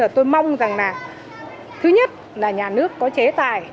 tôi mong rằng là thứ nhất là nhà nước có chế tài